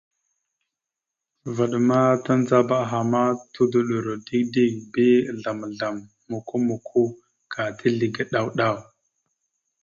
Vvaɗ ma tandzaba aha ma tudoɗoro dik dik bi azzlam azzlam mokko mokko ka tizləge ɗaw ɗaw.